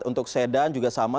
untuk sedan juga sama